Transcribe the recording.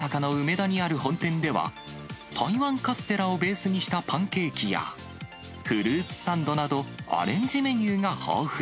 大阪の梅田にある本店では、台湾カステラをベースにしたパンケーキや、フルーツサンドなど、アレンジメニューが豊富。